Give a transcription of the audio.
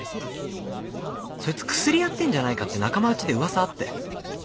そいつクスリやってんじゃないかって仲間うちで噂あって。